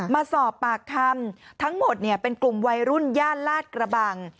มาสอบปากคำทั้งหมดเป็นกลุ่มวัยรุ่นย่านลาดกระบัง